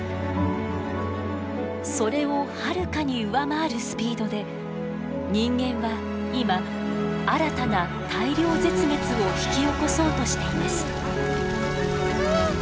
それをはるかに上回るスピードで人間は今新たな大量絶滅を引き起こそうとしています。